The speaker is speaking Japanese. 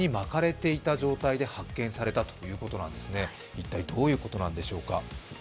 一体どういうことなんでしょうか。